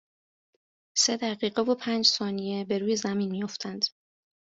سه دقیقه و پنج ثانیه به روی زمین میافتند